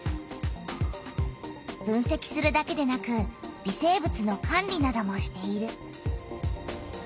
分せきするだけでなく微生物の管理などもしている。